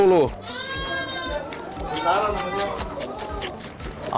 masalah sama dia